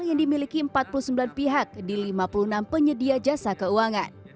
yang dimiliki empat puluh sembilan pihak di lima puluh enam penyedia jasa keuangan